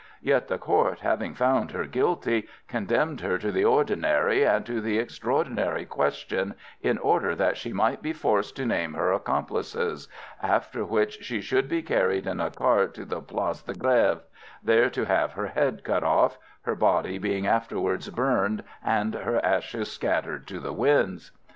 Yet the Court, having found her guilty, condemned her to the ordinary and to the extraordinary question in order that she might be forced to name her accomplices, after which she should be carried in a cart to the Place de Grève, there to have her head cut off, her body being afterwards burned and her ashes scattered to the winds."